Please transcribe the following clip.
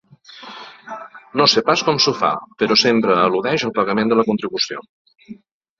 No sé pas com s'ho fa, però sempre eludeix el pagament de la contribució!